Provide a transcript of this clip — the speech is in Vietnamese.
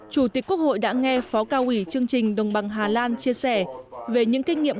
chủ tịch quốc hội đã nghe phó cao ủy chương trình đồng bằng hà lan chia sẻ về những kinh nghiệm